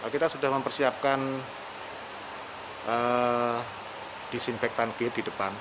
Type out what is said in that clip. kita sudah mempersiapkan disinfektan gate di depan